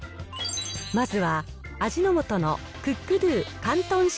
まずは味の素のクックドゥ広東式